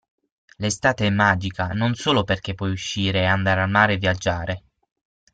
L'estate è magica non solo perché puoi uscire, andare al mare e viaggiare.